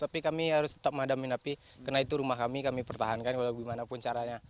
tapi kami harus tetap menghadapi napi karena itu rumah kami kami pertahankan bagaimanapun caranya